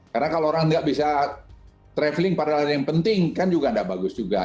karena kalau orang nggak bisa traveling pada lalu yang penting kan juga nggak bagus juga